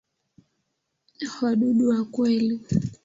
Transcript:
Wadudu wa kweli.